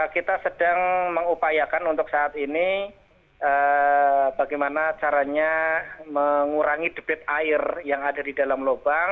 kita sedang mengupayakan untuk saat ini bagaimana caranya mengurangi debit air yang ada di dalam lubang